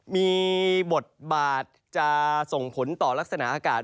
มีบทบาทจะส่งผลต่อลักษณะอากาศ